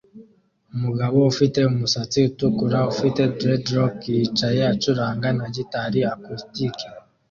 Umugabo ufite umusatsi utukura ufite dreadlock yicaye acuranga na gitari acoustic